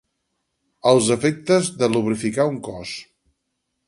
Els efectes d'lubrificar un cos.